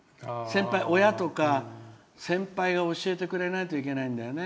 親とか先輩が教えてくれないといけないんだよね。